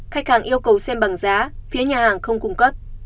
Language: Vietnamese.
khách hàng yêu cầu xem bằng giá phía nhà hàng không cung cấp